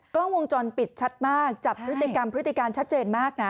กล้องวงจรปิดชัดมากจับพฤติกรรมพฤติการชัดเจนมากนะ